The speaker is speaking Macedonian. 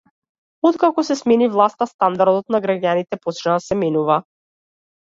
Откако се смени власта стандардот на граѓаните почна да се менува.